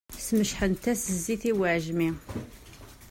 Smecḥemt-as zzit i uεejmi.